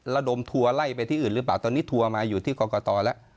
ระดมทัวร์ไล่ไปที่อื่นหรือเปล่าตอนนี้ทัวร์มาอยู่ที่กรกตแล้ว